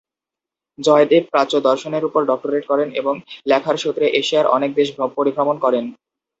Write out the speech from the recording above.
জয়দেব প্রাচ্য দর্শনের উপর ডক্টরেট করেন এবং লেখার সূত্রে এশিয়ার অনেক দেশ পরিভ্রমণ করেন।